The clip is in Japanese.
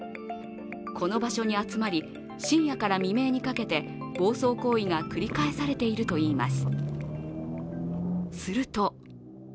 この場所に集まり、深夜から未明にかけて暴走行為が繰り返されているといいます。